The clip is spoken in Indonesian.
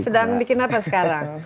sedang bikin apa sekarang